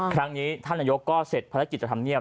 ครั้งนี้ท่านนายกก็เสร็จภารกิจจะทำเนียบ